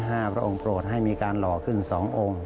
พระองค์โปรดให้มีการหล่อขึ้นสององค์